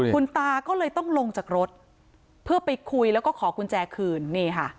คุณตาก็เลยต้องลงจากรถเพื่อไปคุยแล้วก็ขอกุญแจคืนนี่ค่ะ